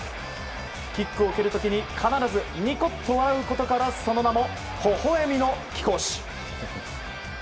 キックを蹴る時に必ずニコッと笑うことからその名も、ほほ笑みの貴公子。